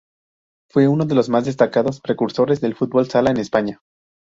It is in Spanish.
Fue uno de los más destacados precursores del fútbol-sala en España.